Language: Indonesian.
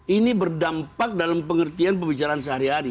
ini berdampak dalam pengertian pembicaraan sehari hari